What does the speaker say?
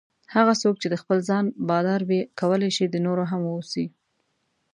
هغه څوک چې د خپل ځان بادار وي کولای شي د نورو هم واوسي.